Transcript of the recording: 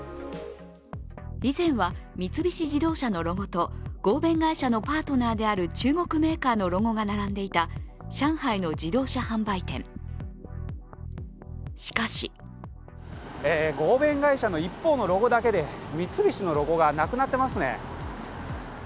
以前は三菱自動車のロゴと合弁会社のパートナーである中国メーカーのロゴが並んでいた上海の自動車販売店、しかし合弁会社の一方のロゴだけで三菱のロゴがなくなっていますね。